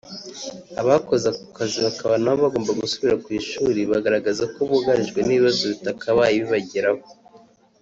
abakoze aka kazi bakaba nabo bagomba gusubira ku ishuri; baragaragaza ko bugarijwe n’ibibazo bitakabaye bibageraho